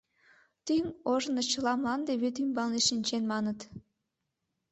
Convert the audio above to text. Тӱҥ ожно чыла мланде вӱд ӱмбалне шинчен, маныт.